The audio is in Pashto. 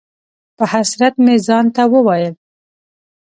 په حسرت مې ځان ته وویل: